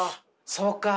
そうか。